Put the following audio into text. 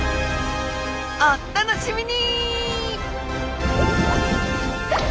おっ楽しみに！